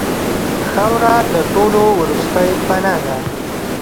خاوره د ټولو وروستۍ پناه ده.